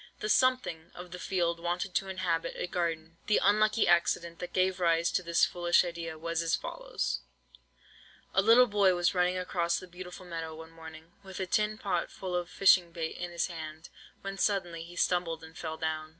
The 'something' of the field wanted to inhabit a garden. The unlucky accident that gave rise to this foolish idea, was as follows:— "A little boy was running across the beautiful meadow one morning, with a tin pot full of fishing bait in his hand, when suddenly he stumbled and fell down.